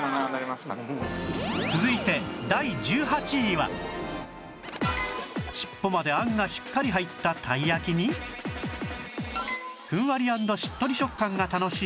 続いて尻尾まであんがしっかり入ったたいやきにふんわり＆しっとり食感が楽しい